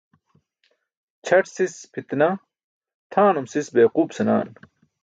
Ćʰať sis pʰitnah, tʰanum sis beequup senaan.